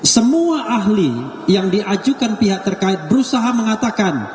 semua ahli yang diajukan pihak terkait berusaha mengatakan